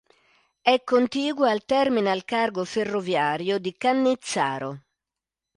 È contigua al terminal cargo ferroviario di Cannizzaro.